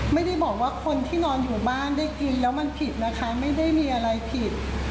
ไม่ได้บอกว่าคนที่นอนอยู่บ้านได้กินแล้วมันผิดนะคะไม่ได้มีอะไรผิด